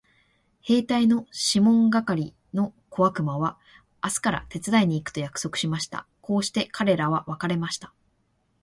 兵隊のシモン係の小悪魔は明日から手伝いに行くと約束しました。こうして彼等は別れました。